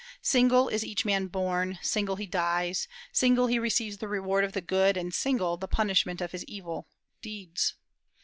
Single is each man born, single he dies, single he receives the reward of the good, and single the punishment of his evil, deeds....